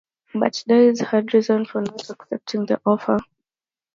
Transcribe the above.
But Dies had reasons for not accepting the offer.